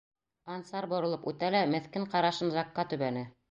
Ансар боролоп үтә лә меҫкен ҡарашын Жакҡа төбәне.